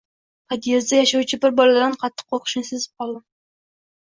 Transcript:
pod’ezdda yashovchi bir boladan qattiq qo‘rqishini sezib qoldim.